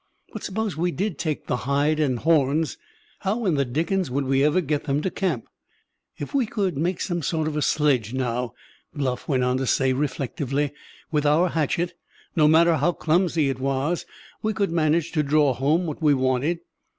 But suppose we did take the hide and horns, how in the dickens would we ever get them to camp?" "If we could make some sort of sledge now," Bluff went on to say reflectively, "with our hatchet, no matter how clumsy it was, we could manage to draw home what we wanted."